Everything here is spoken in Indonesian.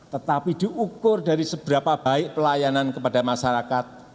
tetapi diukur dari seberapa baik pelayanan kepada masyarakat